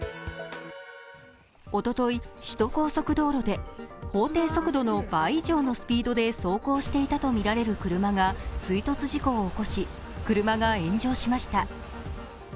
おととい、首都高速道路で法定速度の倍以上のスピードで走行していたとみられる車が追突事故を起こし、車が炎上しました。